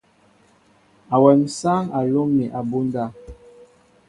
Awem sááŋ a lóm mi abunda.